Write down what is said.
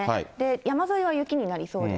山沿いは雪になりそうです。